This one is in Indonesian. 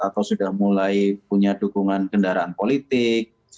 atau sudah mulai punya dukungan kendaraan politik